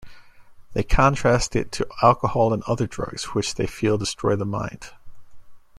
They contrast it to alcohol and other drugs, which they feel destroy the mind.